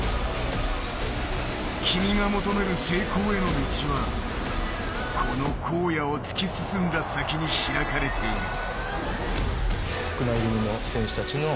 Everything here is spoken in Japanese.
君が求める成功への道はこの荒野を突き進んだ先に開かれている。